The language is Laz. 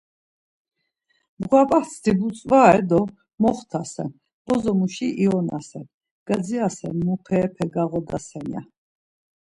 Mapasti butzvare do moxtasen bozo muşi ionasen, gadzirasen muperepe gağodasen ya.